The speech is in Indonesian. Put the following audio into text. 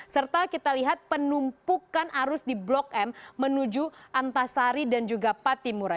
serta kita lihat penumpukan arus di blok m menuju antasari dan juga patimurai